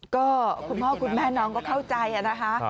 ก็คุณพ่อคุณแม่น้องก็เข้าใจนะคะ